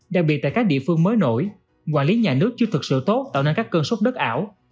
đặc biệt tại các địa phương mới nổi quản lý nhà nước chưa thực sự tốt tạo nên các cơn sốt đất ảo